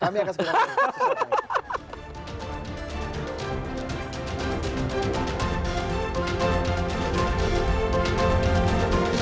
kami akan segera menjawab